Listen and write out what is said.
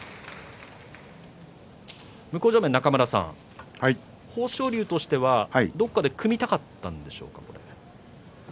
中村さん、豊昇龍としてはどこかで組みたかったんですか。